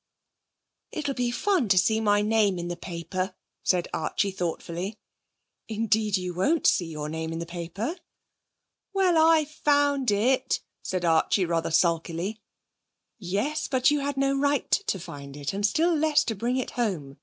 'It'll be fun to see my name in the paper,' said Archie thoughtfully. 'Indeed you won't see your name in the paper.' 'Well, I found it,' said Archie rather sulkily. 'Yes; but you had no right to find it, and still less to bring it home.